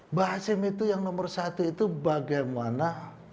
mbah hasim itu yang nomor satu itu bagaimana